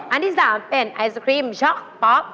อันที่๓เป็นไอศครีมช็อกป๊อป